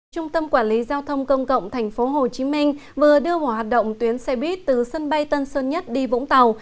trung tâm quản lý giao thông công cộng tp hcm vừa đưa vào hoạt động tuyến xe buýt từ sân bay tân sơn nhất đi vũng tàu